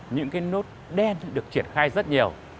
những cái nốt đen được triển khai rất nhiều